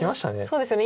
そうですよね